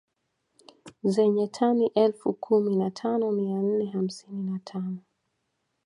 Zenye tani elfu kumi na tano mia nne hamsini na tano